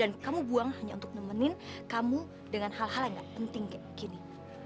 dan kamu buang hanya untuk nemenin kamu dengan hal hal yang nggak penting kayak gini